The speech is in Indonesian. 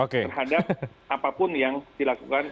terhadap apapun yang dilakukan